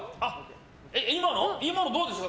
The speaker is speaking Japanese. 今のどうでした？